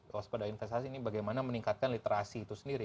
di satgas osman investasi ini bagaimana meningkatkan literasi itu sendiri